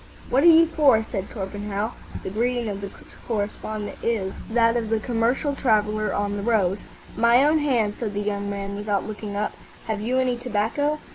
"What are you for?" said Torpenhow. The greeting of the correspondent is that of the commercial traveller on the road. "My own hand," said the young man, without looking up. "Have you any tobacco?"